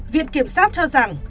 viện kiểm soát cho rằng